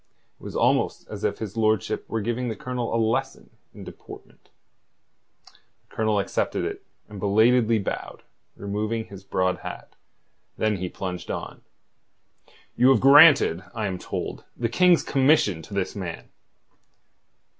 It was almost as if his lordship were giving the Colonel a lesson in deportment. The Colonel accepted it, and belatedly bowed, removing his broad hat. Then he plunged on. "You have granted, I am told, the King's commission to this man."